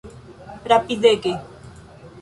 Rapidege!